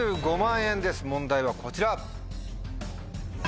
問題はこちら。